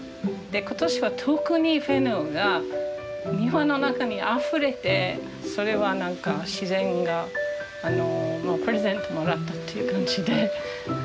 今年は特にフェンネルが庭の中にあふれてそれは何か自然がプレゼントもらったっていう感じで。